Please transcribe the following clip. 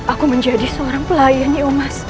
aku menjadi seorang pelayan nih umas